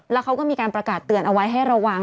แล้วเขาก็มีการประกาศเตือนเอาไว้ให้ระวัง